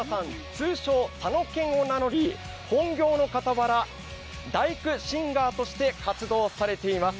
通称サノケンを名乗り、本業のかたわら大工シンガーとして活動されています。